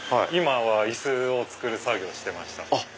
椅子を作る作業をしてました。